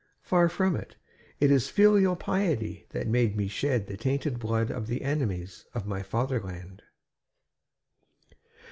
Far from it, it is filial piety has made me shed the tainted blood of the enemies of my fatherland."